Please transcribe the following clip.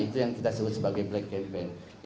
itu yang kita sebut sebagai black campaign